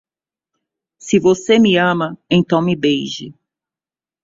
Se você me ama, então me beije